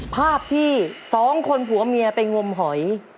ภาพที่สองคนผัวเมียไปงมหอย